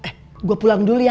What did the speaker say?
eh gue pulang dulu ya